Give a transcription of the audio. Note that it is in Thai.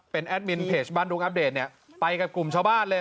เป็นแอดมินเพจบ้านดุงอัพเดทเนี่ย